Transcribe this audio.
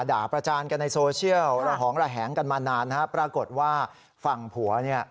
ประจานกันในโซเชียลระหองระแหงกันมานานนะครับปรากฏว่าฝั่งผัวเนี่ย